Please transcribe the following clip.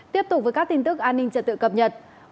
tiếp tục với các tin tức an ninh trật tự cập nhật